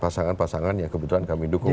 pasangan pasangan yang kebetulan kami dukung